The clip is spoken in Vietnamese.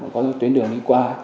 có tuyến đường đi qua